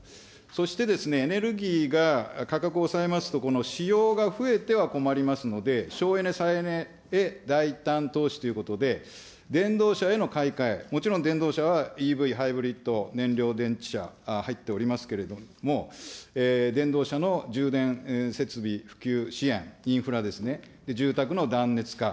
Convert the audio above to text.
そして、エネルギーが価格抑えますと、使用が増えては困りますので、省エネ・再エネへ大胆投資ということで、電動車への買い替え、もちろん、電動車はＥＶ、ハイブリッド、燃料電池車、入っておりますけれども、電動車の充電設備普及支援、インフラですね、住宅の断熱化。